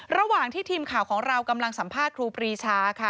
ระหว่างที่ทีมข่าวของเรากำลังสัมภาษณ์ครูปรีชาค่ะ